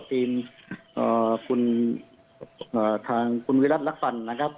ทีมเอ่อคุณเอ่อทางคุณวิรัติรักฟันนะครับ